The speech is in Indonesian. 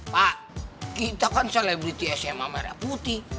pak kita kan selebriti sma merah putih